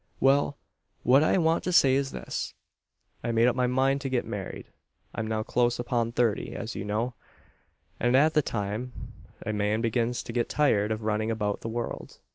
"Well; what I want to say is this. I've made up my mind to get married. I'm now close upon thirty as you know; and at that time a man begins to get tired of running about the world.